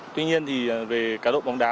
tuy nhiên thì về cá đậu bóng đá